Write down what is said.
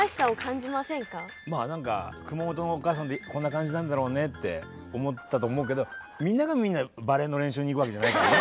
まあ何か熊本のお母さんってこんな感じなんだろうねって思ったと思うけどみんながみんなバレーの練習に行くわけじゃないからね。